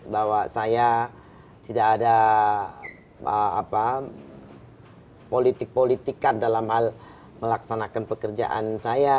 bahwa saya tidak ada politik politika dalam hal melaksanakan pekerjaan saya